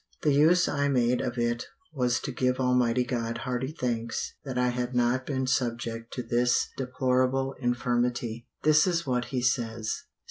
"The use I made of it was to give Almighty God hearty thanks that I had not been subject to this deplorable infirmitie." This is what he says.